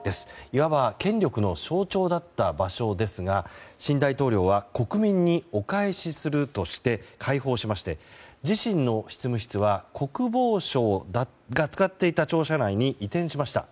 いわば権力の象徴だった場所ですが新大統領は国民にお返しするとして開放しまして、自身の執務室は国防省が使っていた庁舎内に移転しました。